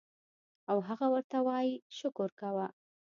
او هغه ورته وائي شکر کوه